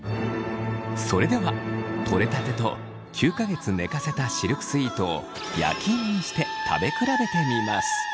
それではとれたてと９か月寝かせたシルクスイートを焼き芋にして食べ比べてみます。